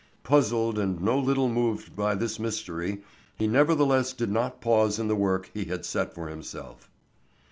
Puzzled and no little moved by this mystery, he nevertheless did not pause in the work he had set for himself.